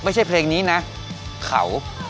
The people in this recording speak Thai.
ไม่ใช่เพลงนี้นะเขา